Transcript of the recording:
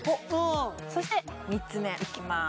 そして３つ目いきます